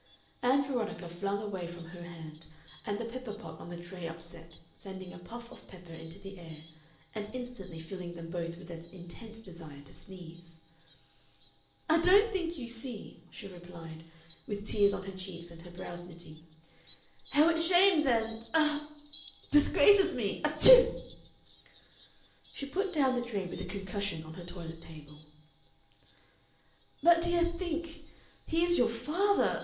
Ann Veronica flung away from her hand, and the pepper pot on the tray upset, sending a puff of pepper into the air and instantly filling them both with an intense desire to sneeze. "I don't think you see," she replied, with tears on her cheeks, and her brows knitting, "how it shames and, ah! disgraces me AH TISHU!" She put down the tray with a concussion on her toilet table. "But, dear, think! He is your father.